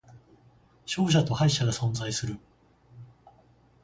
勝者と敗者が存在する